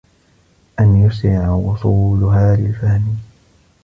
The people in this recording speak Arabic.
أَنْ يُسْرِعَ وُصُولُهَا لِلْفَهْمِ